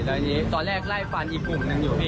แล้วทีนี้ตอนแรกไล่ฟันอีกกลุ่มหนึ่งอยู่พี่